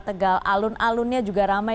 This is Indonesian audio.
tegal alun alunnya juga ramai